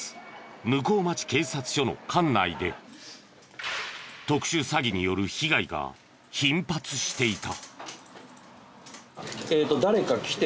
向日町警察署の管内で特殊詐欺による被害が頻発していた。